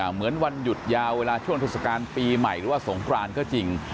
เหมือนวันหยุดยาวเวลาช่วงเทศกาลปีใหม่หรือว่าสงครานก็จริง